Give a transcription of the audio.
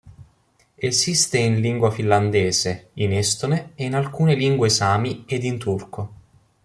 Esiste in lingua finlandese, in estone, in alcune lingue sami ed in turco.